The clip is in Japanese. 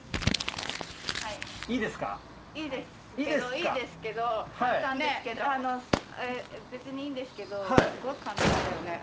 いいですけど別にいいんですけどすごい簡単だよね。